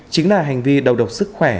chính là hành vi đầu độc sức khỏe